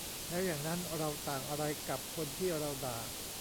แล้วอย่างนั้นเราต่างอะไรกับคนที่เราด่า ?